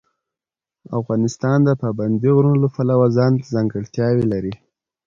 افغانستان د پابندي غرونو له پلوه ځانته ځانګړتیاوې لري.